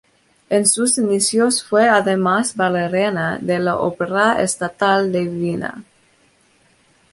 En sus inicios fue, además, bailarina de la Ópera Estatal de Viena.